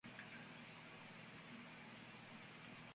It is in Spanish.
Manoel de Oliveira es un profesor honorario allí.